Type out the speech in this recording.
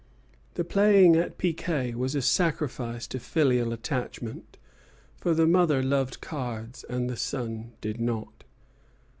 The playing at piquet was a sacrifice to filial attachment; for the mother loved cards, and the son did not.